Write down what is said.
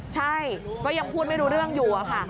ใช่ก็ยังพูดไม่รู้เรื่องอยู่อะค่ะ